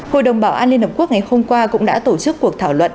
hội đồng bảo an liên hợp quốc ngày hôm qua cũng đã tổ chức cuộc thảo luận